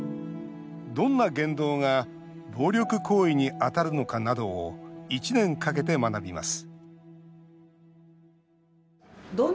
どんな言動が暴力行為に当たるのかなどを１年かけて学びます